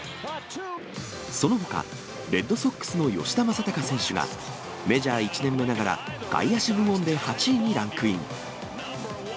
そのほか、レッドソックスの吉田正尚選手が、メジャー１年目ながら、外野手部門で８位にランクイン。